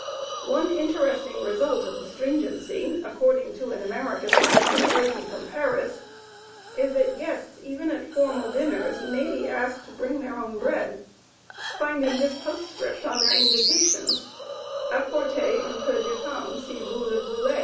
One interesting result of the stringency, according to an American officer writing from Paris, is that guests even at formal dinners, may be asked to bring their own bread, finding this postscript on their invitations: "Apportez un peu de pain si vous le voulez."